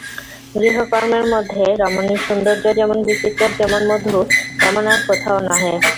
গৃহকর্মের মধ্যে রমণীর সৌন্দর্য যেমন বিচিত্র, যেমন মধুর, এমন আর কোথাও নহে।